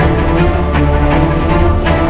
akanancang mereka melakukan pembelittanasan pada hari ini